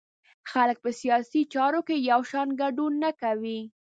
خلک په سیاسي چارو کې یو شان ګډون نه کوي.